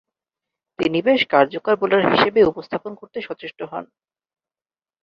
তিনি বেশ কার্যকর বোলার হিসেবে উপস্থাপন করতে সচেষ্ট হন।